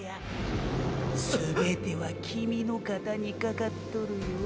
全てはキミィの肩にかかっとるよ？